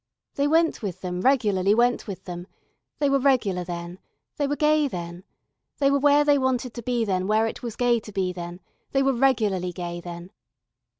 They went with them regularly went with them. They were regular then, they were gay then, they were where they wanted to be then where it was gay to be then, they were regularly gay then.